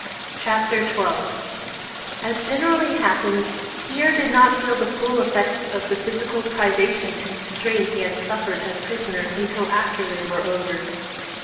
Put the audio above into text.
CHAPTER XII As generally happens, Pierre did not feel the full effects of the physical privation and strain he had suffered as prisoner until after they were over.